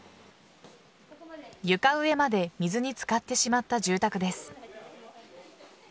床上まで水に漬かってしまった住宅です。